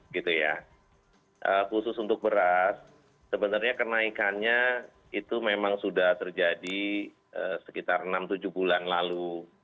khusus untuk beras sebenarnya kenaikannya itu memang sudah terjadi sekitar enam tujuh bulan lalu